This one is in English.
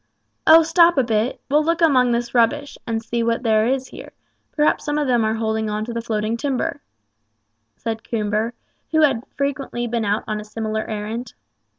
"Oh, stop a bit; we'll look among this rubbish, and see what there is here; perhaps some of them are holding on to the floating timber," said Coomber, who had frequently been out on a similar errand.